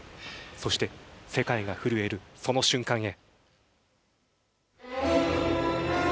そして世界が震えるその瞬間へ。